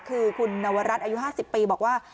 คือคุณนวรัฐอายุ๕๐ปีบอกว่า